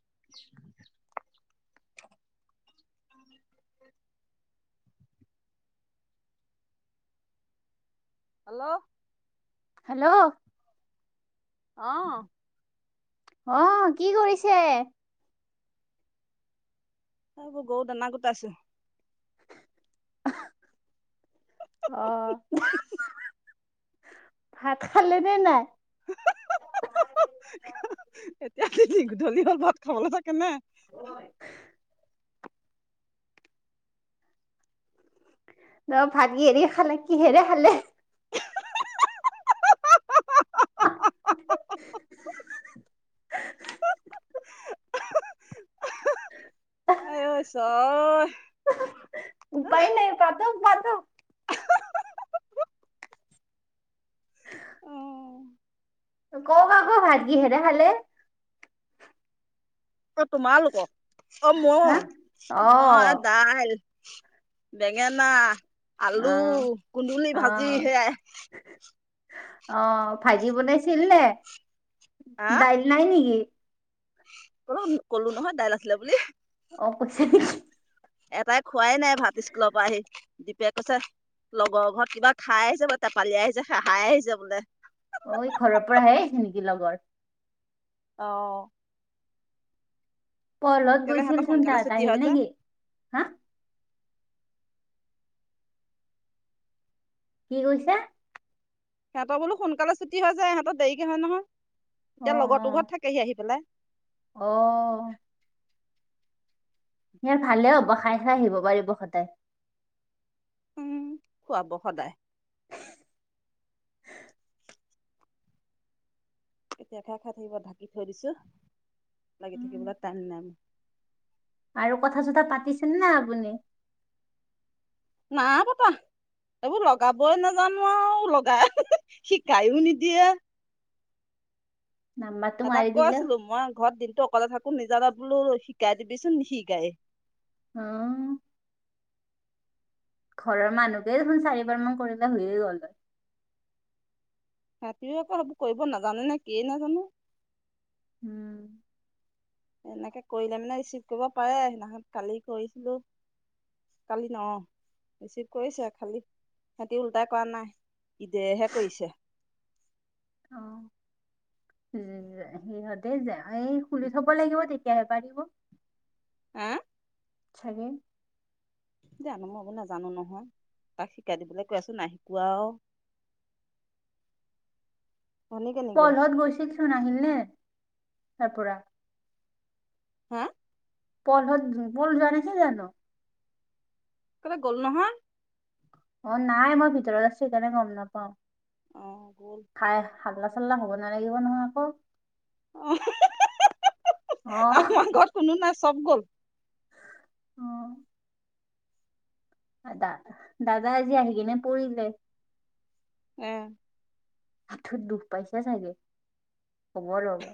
[unintelligible] [unintelligible] Hello hello অ'। অ কি কৰিছে তবৌ গৰু দানা গত আছেো আহ ভাত খালে নে নাই এ গোধূলি হল ভাত খাবলৈ কেনে ন ভাতি হেৰি খালে কি হেৰে খালে আই ঐ ঈশ্বৰ [unintelligible] কক আকৌ ভাত কিহেৰে খালে? অ', তোমালোকক অ', হা মই, অ মই দাইল বেঙেনা অ আলু, কুন্দুলি অ ভাজি সেয়াই। অ', ভাজি বনাইছিল নে? হা দাইল নাই নেকি? কলো কলো নহয়, দাইল আছিলে বুলি অ', [unintelligible] এটাই খোৱাই নাই ভাত স্কুলৰ পৰা আহি দীপে কৈছে লগৰ ঘৰত কিবা খাই আহিছে বোলে টেপালি আহিছে খহাই আহিছে বোলে। অ', ই ঘৰৰ পৰাহে আহিছে নেকি লগৰ? অহ। পলহঁত গৈছিল সিহঁতৰ চোন, সোনকালে তাত ছুটি আহিল হয় যে নেকি? হা? কি কৈছে? সিহঁতৰ বোলো সোনকালে ছুটি হৈ যায়, সিহঁতৰ দেৰিকে হয় নহয়। এতিয়া লগৰতো ঘত থাকেহি আহি পেলাই অহ ইয় ভালে হ'ব খাই খাই আহিব পাৰিব সদায় উ, খুৱাব সদায়। কেতিয়া খায় খাই থাকিব, ঢাকি থৈ দিছোঁ। লাগি থাকিবলৈ টাইম নাই মোৰ। আৰু কথা-চথা পাতিছেনে নাই আপুনি? নাপাতা এইবোৰ লগাবই নাজানো আও‌ হি হি হি লগাই শিকায়ও নিদিয়ে নাম্বাৰটো মাৰি এটাক কৈ দিলে আছিলো মই ঘৰত দিনটো অকলে থাকো মোকো নিজানত বোলো শিকাই দিবিচোন নিশিকাই আহ। ঘৰৰ মানুহকেই চুন চাৰিবাৰ মান কৰিলে হৈয়ে গ'ল হয়। তাহঁতিও আকৌ সেইবো কৰিব নাজানে নে কিয়ে নাজানো। উম এনেকে কৰিলে মানে ৰিচিভ কৰিব পাৰে সেইদিনাখন কালি কৰিছিলোঁ কালি ন ৰিচিভ কৰিছে খালি সিহতি উল্টাই কৰা নাই ঈদেহে কৰিছে অ উ সিহঁতে যে এই খুলি থব লাগিব তেতিয়াহে পাৰিব হে ছাগে। জানো মই বো নাজানো নহয়, তাক শিকাই দিবলৈ কৈ আছোঁ, নাই শিকোৱা আও। পলহত গৈছিল চোন আহিল নে তাৰ পৰা হা? পল হ, পুল যোৱা নাছিল জানো? কলৈ গ'ল নহয়। অহ, নাই। মই ভিতৰত আছোঁ, সেইকাৰণে গম নাপাওঁ। অ' গ'ল। খাই হাল্লা-চাল্লা হ'ব নালাগিব নহয় আকৌ। অহ, অ আমাৰ ঘৰত কোনো নাছি চব গ'ল। অহ। দা দাদা আজি আহি কিনে পৰিলে এ আঠুত দুখ পাইছে চাগে খবৰ ল'ব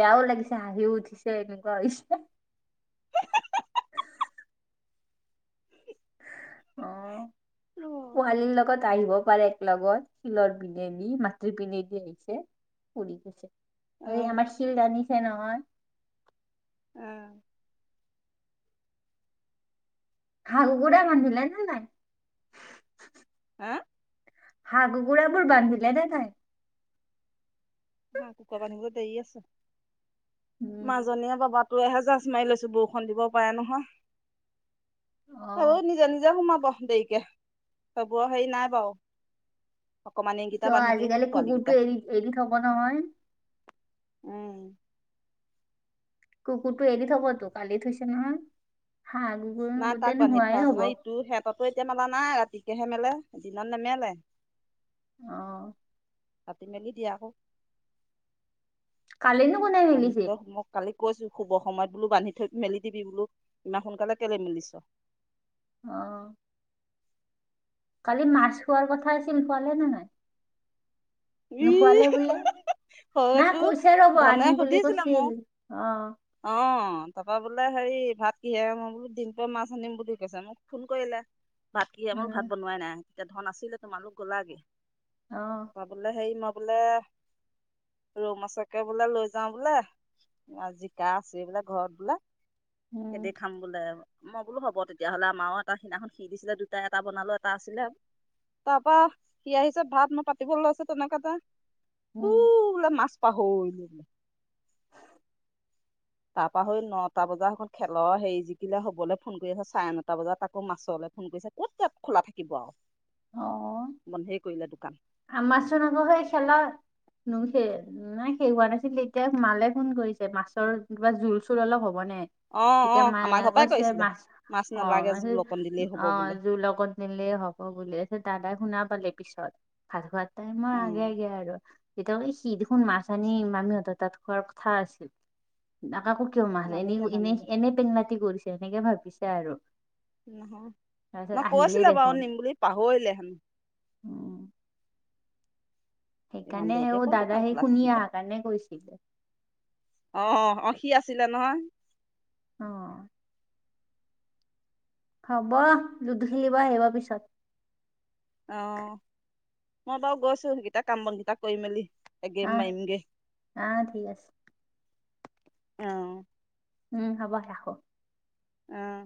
বেয়াও লাগিছ [unintelligible] হৈছে। অ', অ' পোৱালিৰ লগত আহিব [unintelligible] লগত শিলৰ পিনে দি মাটিৰ পিনে দি আহিছে পৰি গৈছে। অ' আমাৰ শিল ৰানি চে নহয়। অহ। [unintelligible] বান্ধিলে নে নাই? হা? হাঁহ কুকুৰাবোৰ বান্ধিলে নে নাই? হাঁহ কুকুৰা বান্ধিব দেৰি আছে। উম মাজনীয়ে বাবা ত এহেজাৰ চ মাৰি লৈছো বৰষুণ দিব পাৰে নহয় অ', নিজে নিজে সোমাব। দেয়িকে [unintelligible] বাউ কিয় আজিকালি কুকুৰতটো এৰি এৰি থব নহয় উম! কুকুৰটো এৰি থবতো কালি থৈছে নহয় হাঁহ কুকুৰ নাই গোটেই তাক বান্ধি নোহোৱাই থোৱা আছে হব নাই ইটো সিহঁতো এতিয়া মানা নাই ৰাতি তেনেহলে দিন নোমিয়ালে আহ ভাটতি মেলি দিয়া আকৌ কাকিনো কোনে বান্ধি নোইেলিছে থলে মই কালি কৈছো শুব সময়ত বোলো বান্ধি থৈ মেলি দিবি বোলো ইমান সোনকালে কেলে মেলিছ আহ কালি মাৰছ খোৱাৰ কথা আছিল খোৱালে নে নয় ই নোখোৱালে বোলে নাই হয়তো কৈছে ৰ'ব ধনে আনিম বুলি সুধিছিলে কৈছিল মোক আহ অ তাৰপা বোলে হেৰি ভাত কিহে মই বোলো দিন প মাছ আনিম বুলি কৈছে মোক ফোন কৰিলে ভাত কি আমাৰ উম ভাত বনোৱাই নাই। এতিয়া ধন আছিলে তোমালোক গ'লাগে আহ তাৰপা বোলে হেৰি মই বোলে ৰৌ মাছকে বোলে লৈ যাও বোলে জিকা আছে বোলে ঘৰত বোলে। খেতি উম খাম বোলে আৰু মই বোলো হ'ব তেতিয়াাহলে আমাৰও এটা সিদিনাখন সি দিছিলে দুটটা এটা বনালো এটা আছিলে তাৰ পৰাৰা সি আহিছে ভাত মই পাতিব লৈছো তম কথা উম। মাছ পাহৰিলোঁ বোলে। তাৰপা সৈ নটা বজাত অকল খেলৰ হেৰি জিকিলে হবলৈ ফোন কৰি আছে চাৰে নটা বজাত আকৌ মাছলৈ ফোন কৰিছে, ক'ত তাত খোলা থাকিব আৰু। অ বন্ধেই কৰিলে দোকান। [unintelligible] সেই খেলা, নুই সে, নাই শেষ হোৱা নাছিল এতিয়া মালে ফোন কৰিছে, মাছৰ কিবা জোল-চোল অলপ হ'ব হ'ব নে, অ অ তেতিয়া আমাৰ মায়ে ঘৰ পৰাই কৈছে কৰিছিলে মাছ মাছ অহ, নালাগে জোল অকণ [unintelligible] দিলেই হ'ব বোলে জোল অকণ নিলেই হ'ব। [unintelligible] দাদাই শুনা পালে পিছত ভাত খোৱাত টাইমৰ অ আগে আগে আৰু। তেতিয়া হ'লে সি দেখোন মাছ আনি মামীহঁতৰ তাত খোৱাৰ কথা আছিল। [unintelligible] কিয় মাছ, এনে নানিলে নানিলে এনেই-এনেই পেনলাতি কৰিছে। তেনেকে ভাবিছে আৰু। নহয়। তাৰপিছত ন আহিলে কৈছিলে বাৰু দেখোন নিম বুলি, পা পাহৰিলে হেনো। ইমান দেৰিকে সেইকাৰণেও ক'ত দাদা দোকান সেই খোলা শুনি থাকিব অহা কাৰণে কৈছিলে। অ অ সি আছিলে নহয় অ হব, লুডু খেলিব আহিব পিছত অঁ মই বাও গৈছো, গিটা কাম বনকেইটা কৰি মেলি আগে আহ মাইম গে আহ ঠিক আছে অঁ উম হ'ব ৰাখো আহ